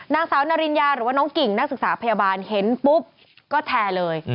นางสาวนาริญญาหรือว่าน้องกิ่งนักศึกษาพยาบาลเห็นปุ๊บก็แชร์เลย